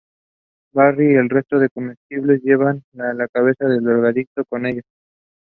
His parents were Charles John Spencer George Canning and Florence Alice de Bretton.